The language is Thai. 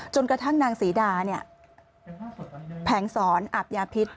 จนกระทั่งนางศรีดาแผงสอนอาบยาพิศ